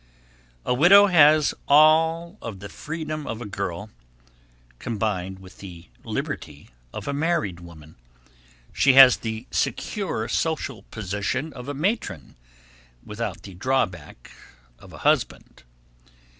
A widow has all of the freedom of a girl, combined with the liberty of a married woman. She has the secure social position of a matron without the drawback of a husband.